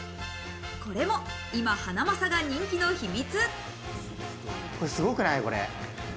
これも今、ハナマサが人気の秘密。